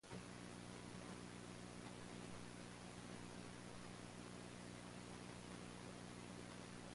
Upon its release, "Emotive" received generally positive reviews from music critics.